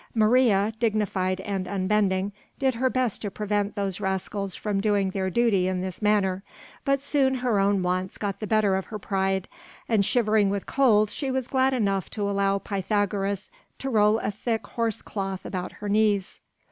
Maria, dignified and unbending, did her best to prevent those rascals from doing their duty in this manner, but soon her own wants got the better of her pride, and shivering with cold she was glad enough to allow Pythagoras to roll a thick horse cloth about her knees.